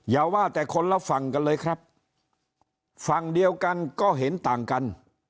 อย่าว่าแต่คนละฝั่งกันเลยครับฝั่งเดียวกันก็เห็นต่างกัน